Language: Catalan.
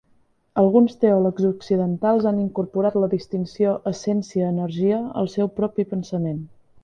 Alguns teòlegs occidentals han incorporat la distinció essència-energia al seu propi pensament.